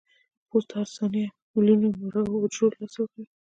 پوست هره ثانیه ملیونونه مړه حجرو له لاسه ورکوي.